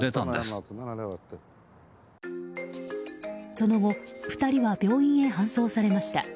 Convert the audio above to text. その後２人は病院へ搬送されました。